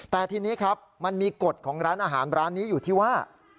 แต่ทีนี้ครับมันมีกฎของร้านอาหารร้านนี้อยู่ที่ว่า